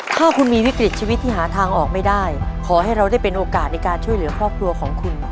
ถ้าคุณมีวิกฤตชีวิตที่หาทางออกไม่ได้ขอให้เราได้เป็นโอกาสในการช่วยเหลือครอบครัวของคุณ